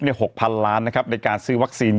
ในการซื้อวัคซีน๒๖ล้านโดสนะครับลองไปดูเรื่องนี้นะฮะ